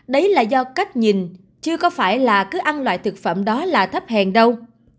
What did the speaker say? đấy là do cách nhìn chứ có phải là cứ ăn loại thực phẩm đó là thấp hèn đâu